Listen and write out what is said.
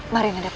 mari nanda prabu